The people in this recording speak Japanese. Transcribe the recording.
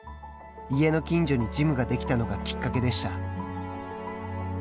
家の近所にジムができたのがきっかけでした。